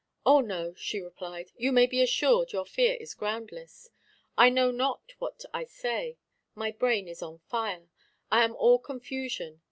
"O, no," she replied; "you may be assured your fear is groundless. I know not what I say; my brain is on fire; I am all confusion.